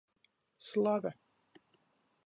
Slave.